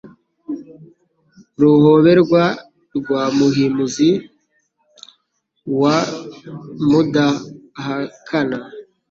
Ruhoberwa rwa Muhimuzi wa Mudahakana,